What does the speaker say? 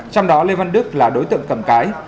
trong đó lê văn đức là đối tượng cầm cái